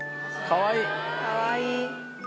かわいい。